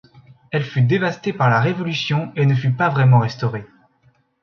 Elle fut dévastée à la Révolution et ne fut pas vraiment restaurée.